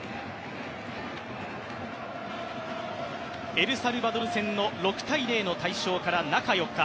エルサルバドル戦の６−０の大勝から中４日。